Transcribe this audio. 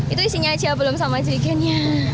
itu isinya aja belum sama jerigennya